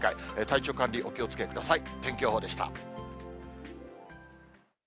体調管理、お気をつけください。